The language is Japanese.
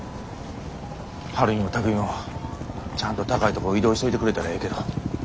晴美も巧海もちゃんと高いとこ移動しといてくれたらええけど。